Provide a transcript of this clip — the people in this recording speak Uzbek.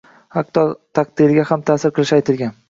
Hatto taqdiriga ham taʼsir qilishi aytilgan.